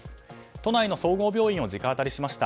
都内の総合病院を直アタリしました。